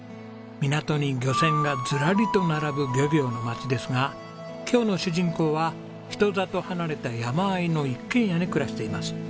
港に漁船がずらりと並ぶ漁業の町ですが今日の主人公は人里離れた山あいの一軒家に暮らしています。